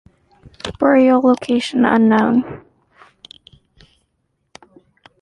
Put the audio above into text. Burial location unknown.